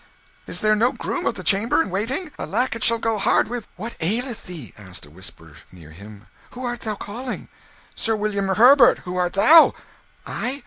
is there no groom of the chamber in waiting? Alack! it shall go hard with " "What aileth thee?" asked a whisper near him. "Who art thou calling?" "Sir William Herbert. Who art thou?" "I?